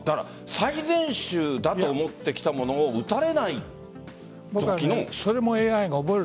最善手だと思ってきたものを打たれないときの。